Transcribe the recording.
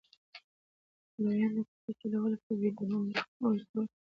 لویان د کښتۍ چلولو پر ویډیو وخت اوږد بولي.